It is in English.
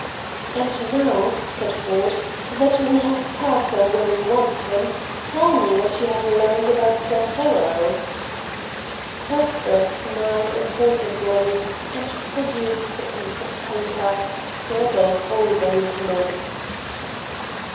"And now," said Ford, "that we have Pearsall where we want him, tell me what you have learned about Prothero?" Cuthbert smiled importantly, and produced a piece of paper scribbled over with notes.